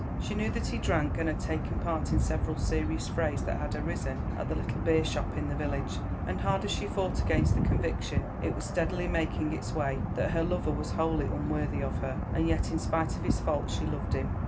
She knew that he drank, and had taken part in several serious frays that had arisen at the little beershop in the village; and hard as she fought against the conviction, it was steadily making its way, that her lover was wholly unworthy of her. And yet, in spite of his faults, she loved him.